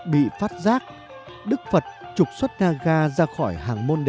bị phát giác đức phật trục xuất naga ra khỏi hàng môn đề